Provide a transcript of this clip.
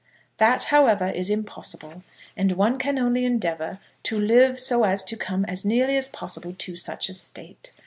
That, however, is impossible, and one can only endeavour to live so as to come as nearly as possible to such a state.